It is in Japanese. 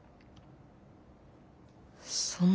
そんな。